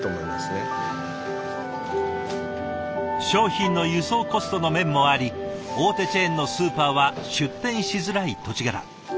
商品の輸送コストの面もあり大手チェーンのスーパーは出店しづらい土地柄。